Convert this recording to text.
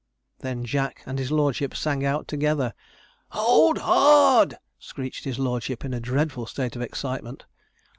Then Jack and his lordship sang out together. 'Hold hard!' screeched his lordship, in a dreadful state of excitement.